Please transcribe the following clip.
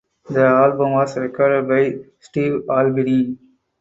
The album was recorded by Steve Albini.